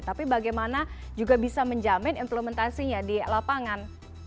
tapi bagaimana juga bisa menjamin implementasinya di lapangan